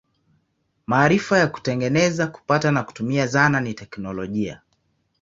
Maarifa ya kutengeneza, kupata na kutumia zana ni teknolojia.